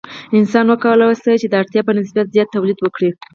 انسان وکولی شوای د اړتیا په نسبت زیات تولید وکړي.